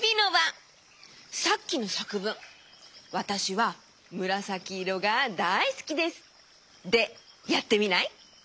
さっきのさくぶん「わたしはむらさきいろがだいすきです」でやってみない？